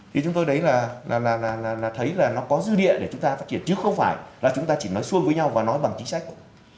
thì chúng tôi đấy là thấy là nó có dư địa để chúng ta phát triển chứ không phải là chúng ta chỉ nói xuông với nhau và nói bằng chính sách